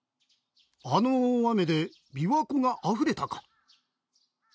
あの大雨で琵琶湖があふれたか。